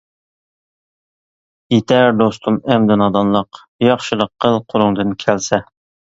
يېتەر دوستۇم ئەمدى نادانلىق، ياخشىلىق قىل قۇلۇڭدىن كەلسە.